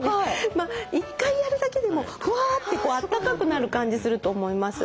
まあ一回やるだけでもふわってあったかくなる感じすると思います。